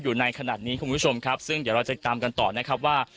อยู่ในขณะนี้คุณผู้ชมครับซึ่งเดี๋ยวเราจะตามกันต่อนะครับว่า